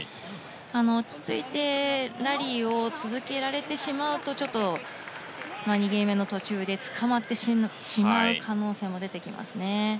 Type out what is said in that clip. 落ち着いてラリーを続けられてしまうとちょっと、２ゲーム目の途中でつかまってしまう可能性も出てきますね。